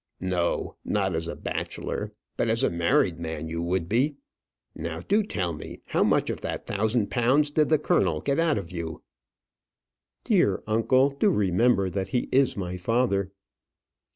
"No, not as a bachelor; but as a married man you would be. Now do tell me how much of that thousand pounds did the colonel get out of you?" "Dear uncle, do remember that he is my father."